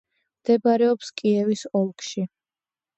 მდებარეობს კიევის ოლქში.